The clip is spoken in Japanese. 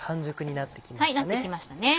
なってきましたね。